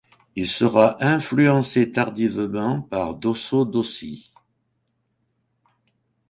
Il sera influencé tardivement par Dosso Dossi.